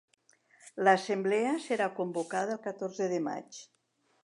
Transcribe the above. L'assemblea serà convocada el catorze de maig.